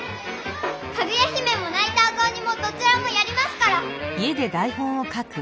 「かぐや姫」も「ないた赤おに」もどちらもやりますから！